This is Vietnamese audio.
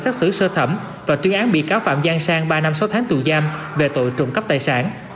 xác xử sơ thẩm và chuyên án bị cáo phạm gian sang ba năm sáu tháng tù giam về tội trụng cấp tài sản